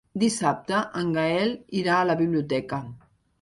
Dissabte en Gaël irà a la biblioteca.